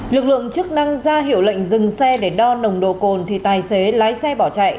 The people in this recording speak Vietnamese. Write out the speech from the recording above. lực lượng chức năng ra hiệu lệnh dừng xe để đo nồng độ cồn thì tài xế lái xe bỏ chạy